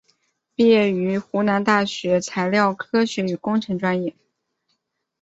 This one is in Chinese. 毕业于湖南大学材料科学与工程专业。